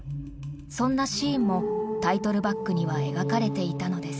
そんなシーンもタイトルバックには描かれていたのです。